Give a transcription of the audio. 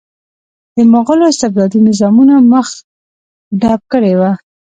د مغولو استبدادي نظامونو مخه ډپ کړې وه.